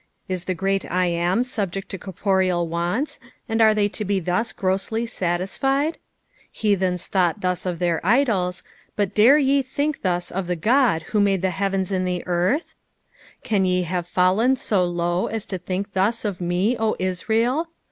Is the great I AM Bubjw* to corporeal wants, and are the; to be thus grossly satisfied f Heathens thought thus of their idols, but dare ye think thus of the Qod who made the heavens and the earth t Can ye have fallen so low as to think thus of me, O Israel